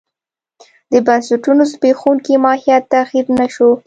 د بنسټونو زبېښونکی ماهیت تغیر نه شو.